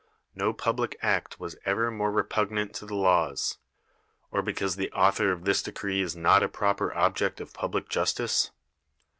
No public act was ever more repugnant to the laws. Or because the author of this decree is not a proper object of public justice?